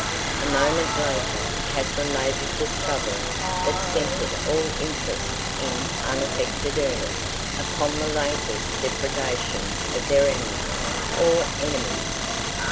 A moment later Katherine made a discovery that centered all interest in unaffected earnest upon the latest depredation of their enemy, or enemies.